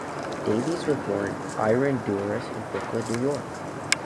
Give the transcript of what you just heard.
Davies was born Irene Douras in Brooklyn, New York.